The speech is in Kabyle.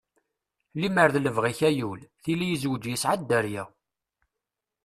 Limer d libɣi-k ayul, tili yezweǧ yesɛa dderya.